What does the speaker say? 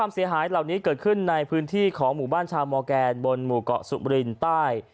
สิรหารทำงานพื้นที่ของหมู่บ้านชาวมองแก่นบนหมู่เกาะสุรินใต้